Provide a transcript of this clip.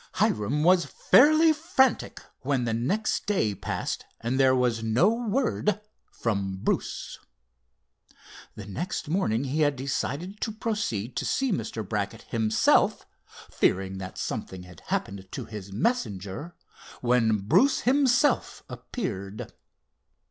Hiram was fairly frantic when the next day passed, and there was no word from Bruce. The next morning he had decided to proceed to see Mr. Brackett himself, fearing that something had happened to his messenger, when Bruce himself appeared.